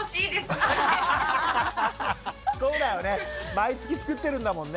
毎月作ってるんだもんね。